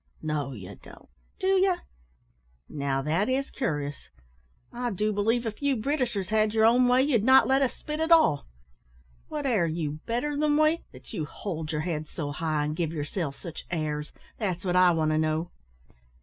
"No, you don't, do you? Now, that is cur'ous. I do believe if you Britishers had your own way, you'd not let us spit at all. What air you better than we, that you hold your heads so high, and give yourselves sich airs! that's what I want to know."